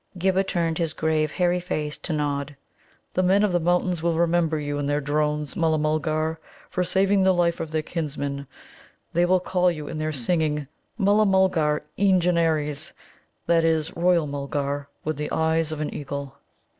Ghibba turned his grave, hairy face to Nod. "The Men of the Mountains will remember you in their drones, Mulla mulgar, for saving the life of their kinsman; they will call you in their singing 'Mulla mulgar Eengenares'" that is, Royal mulgar with the Eyes of an Eagle.